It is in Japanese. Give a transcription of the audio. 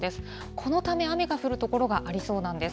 このため、雨が降る所がありそうなんです。